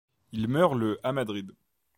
Il meurt le à Madrid.